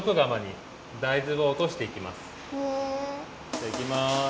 じゃあいきます。